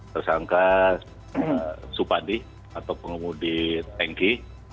tersangka supadi atau pengemudi tanki